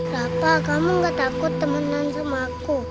rafa kamu nggak takut temenan sama aku